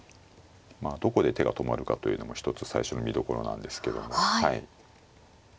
まあどこで手が止まるかというのも一つ最初の見どころなんですけども。